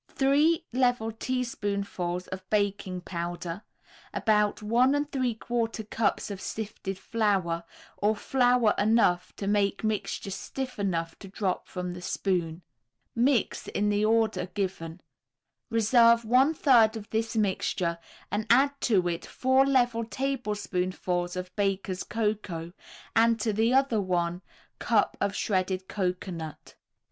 Three level teaspoonfuls of baking powder, about one and three quarter cups of sifted flour, or flour enough to make mixture stiff enough to drop from the spoon. Mix in the order given. Reserve one third of this mixture and add to it four level tablespoonfuls of Baker's Cocoa and to the other one cup of shredded cocoanut.